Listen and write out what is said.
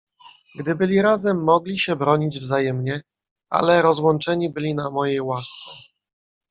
"Gdy byli razem, mogli się bronić wzajemnie, ale rozłączeni byli na mojej łasce."